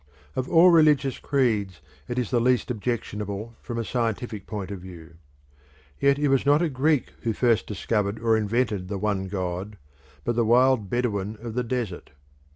Of all religious creeds it is the least objectionable from a scientific point of view. Yet it was not a Greek who first discovered or invented the one god, but the wild Bedouin of the desert.